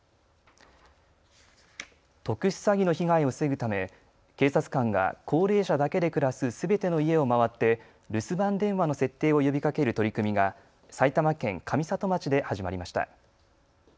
特殊詐欺の被害を防ぐため警察官が高齢者だけで暮らすすべての家を回って留守番電話の設定を呼びかける取り組みが埼玉県上里町で始まりました。